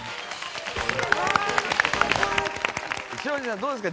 松陰寺さんどうですか？